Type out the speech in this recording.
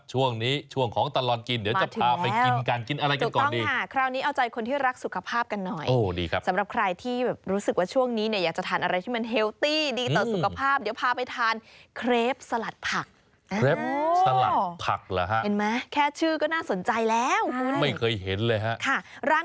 ช่วงนี้ช่วงของตลอดกินเดี๋ยวจะพาไปกินกัน